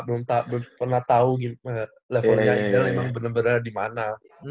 belum pernah tau levelnya ibl emang bener bener dimana